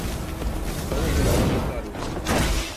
São João do Caru